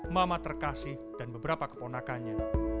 mama terkasih dan beberapa keponakannya